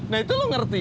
nah itu lo ngerti